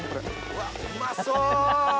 うわっうまそ！